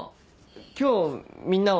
今日みんなは。